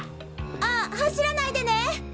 あ走らないでね！